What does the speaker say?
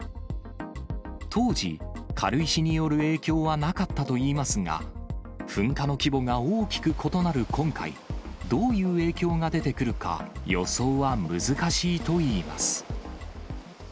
当時、軽石による影響はなかったといいますが、噴火の規模が大きく異なる今回、どういう影響が出てくるか予想は難しいといいます。